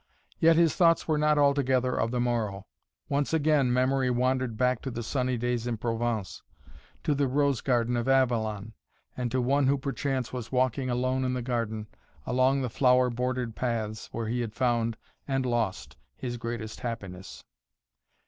Yet his thoughts were not altogether of the morrow. Once again memory wandered back to the sunny days in Provence, to the rose garden of Avalon, and to one who perchance was walking alone in the garden, along the flower bordered paths where he had found and lost his greatest happiness.